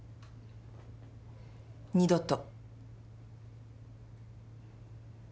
二度と。